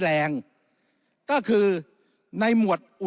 แต่การเลือกนายกรัฐมนตรี